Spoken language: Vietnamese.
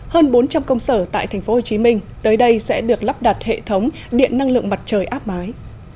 hơn bốn trăm linh công sở tại tp hcm tới đây sẽ được lắp đặt hệ thống điện năng lượng mặt trời áp mái